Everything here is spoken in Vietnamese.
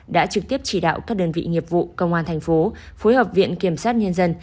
đã trực tiếp chỉ đạo các đơn vị nghiệp vụ công an thành phố phối hợp viện kiểm sát nhân dân